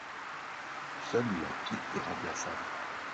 Seule la pile est remplaçable.